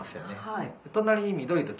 はい。